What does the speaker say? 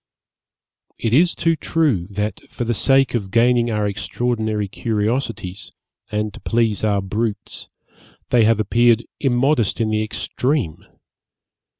It is too true that, for the sake of gaining our extraordinary curiosities, and to please our brutes, they have appeared immodest in the extreme.